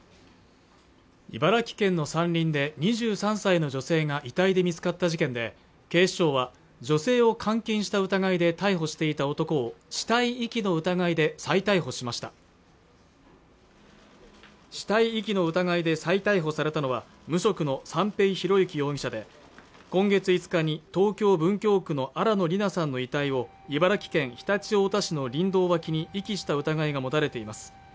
茨城県の山林で２３歳の女性が遺体で見つかった事件で警視庁は女性を監禁した疑いで逮捕していた男を死体遺棄の疑いで再逮捕しました死体遺棄の疑いで再逮捕されたのは無職の三瓶博幸容疑者で今月５日に東京文京区の新野りなさんの遺体を茨城県常陸太田市の林道脇に遺棄した疑いが持たれています